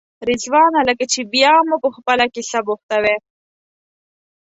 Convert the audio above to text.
رضوانه لکه چې بیا مو په خپله کیسه بوختوې.